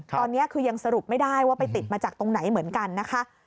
ตอนนี้คือยังสรุปไม่ได้ว่าไปติดมาจากตรงไหนเหมือนกันนะคะ